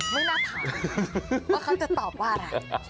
ไม่น่าถามว่าเขาจะตอบว่าอะไร